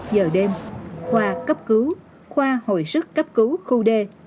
hai mươi một giờ đêm khoa cấp cứu khoa hội sức cấp cứu khu d